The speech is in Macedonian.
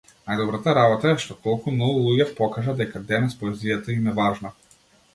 Најдобрата работа е што толку многу луѓе покажа дека денес поезијата им е важна.